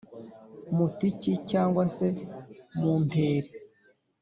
mutiki cyangwa se munteri